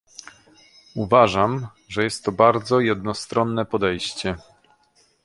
Uważam, że jest to bardzo jednostronne podejście